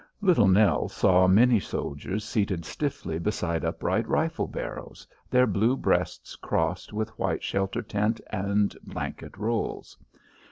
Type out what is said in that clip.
Little Nell saw many soldiers seated stiffly beside upright rifle barrels, their blue breasts crossed with white shelter tent and blanket rolls.